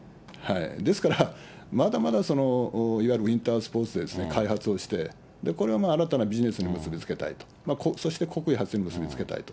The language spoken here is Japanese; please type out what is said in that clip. ですから、まだまだ、いわゆるウインタースポーツで開発をして、これはもう新たなビジネスに結び付けたい、そして国威発揚に結び付けたいと。